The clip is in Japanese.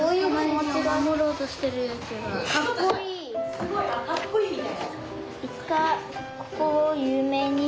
すごいあっかっこいいね。